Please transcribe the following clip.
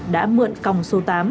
đã mượn còng số tám